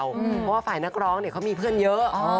เพราะว่าฝ่ายนักร้องเขามีเพื่อนเยอะ